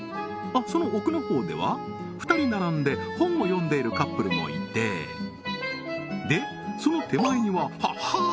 その奥のほうでは２人並んで本を読んでいるカップルもいてでその手前にはは！